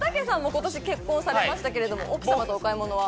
今年結婚されましたけれども奥様とお買い物は？